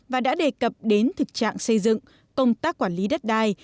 và đã đề cập đến thực trạng xây dựng công tác quản lý đất đai